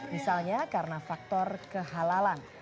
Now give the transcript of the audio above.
misalnya karena faktor kehalalan